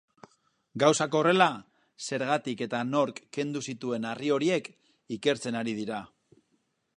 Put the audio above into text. Gauzak horrela, zergatik eta nork kendu zituen harri horiek ikertzen ari dira.